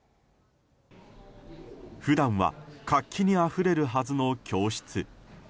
普段は活気にあふれるはずの教室。